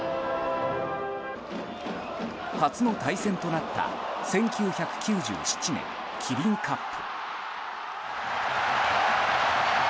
初の対戦となった１９９７年、キリンカップ。